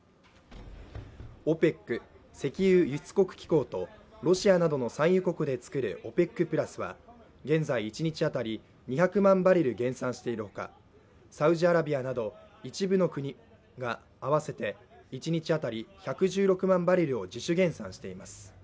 ＯＰＥＣ＝石油輸出国機構とロシアなどの産油国で作るＯＰＥＣプラスは現在、一日当たり２００万バレル減産しているほかサウジアラビアなど一部の国が合わせて一日当たり１１６万バレルを自主減産しています